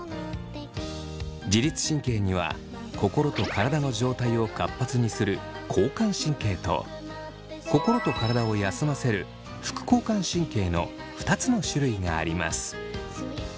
自律神経には心と体の状態を活発にする交感神経と心と体を休ませる副交感神経の２つの種類があります。